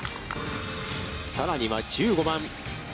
さらには１５番。